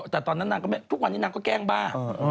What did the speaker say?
แต่ตอนนั้นทุกวันนี้นางก็แกล้งบ้า